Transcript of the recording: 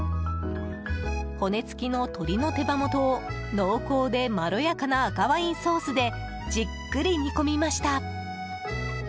骨付きの鶏の手羽元を濃厚でまろやかな赤ワインソースでじっくり煮込みました。